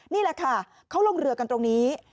นี่แหละค่ะเขาลงเรือกันตรงนี้